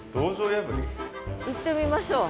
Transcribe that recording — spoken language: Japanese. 行ってみましょう。